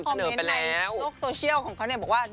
เมนต์ในโลกโซเชียลของเขาเนี่ยบอกว่า